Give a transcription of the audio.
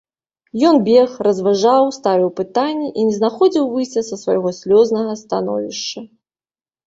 Ён бег, разважаў, ставіў пытанні і не знаходзіў выйсця з свайго слёзнага становішча.